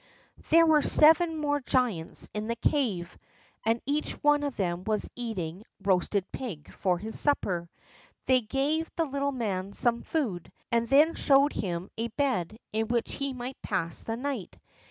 There were seven more giants in the cave, and each one of them was eating a roasted pig for his supper. They gave the little man some food, and then showed him a bed in which he might pass the night.